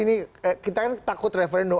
ini kita kan takut refeno